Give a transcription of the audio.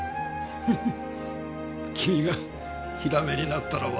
フフッ君がヒラメになったら笑えるが。